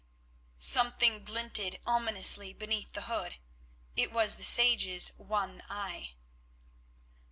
Something glinted ominously beneath the hood, it was the sage's one eye.